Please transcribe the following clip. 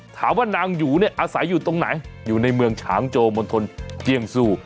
ถามว่านางหยูเนี่ยอาศัยอยู่ตรงไหนอยู่ในเมืองฉางโจมณฑลเจียงซู